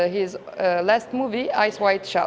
film terakhirnya ice white shot